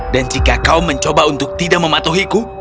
dan jika kau mencoba untuk tidak mematuhiku